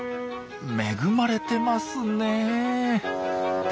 恵まれてますね。